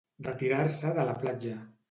Retirar-se de la platja.